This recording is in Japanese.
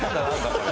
これ。